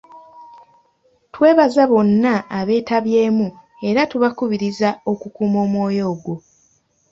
Twebaza bonna abeetabyemu era tubakubiriza okukuuma omwoyo ogwo.